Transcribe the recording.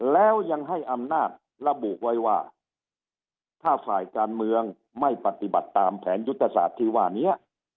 แล้วยังให้อำนาจระบุไว้ว่าถ้าฝ่ายการเมืองไม่ปฏิบัติตามแผนยุทธศาสตร์ที่ว่านี้